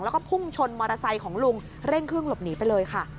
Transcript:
แล้วก็พุ่งชนมอเตอร์ไซค์ของลุงเร่งเครื่องหลบหนีไปเลยค่ะ